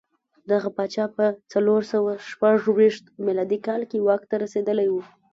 دغه پاچا په څلور سوه شپږ ویشت میلادي کال کې واک ته رسېدلی و